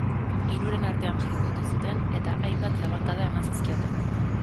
Hiruren artean jipoitu zuten eta hainbat labankada eman zizkioten.